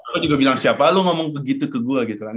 jadi aku juga bilang siapa lu ngomong begitu ke gua gitu kan